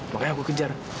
makanya aku kejar